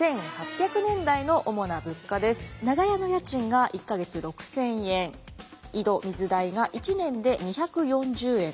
長屋の家賃が１か月６，０００円井戸水代が１年で２４０円です。